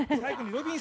ロビン！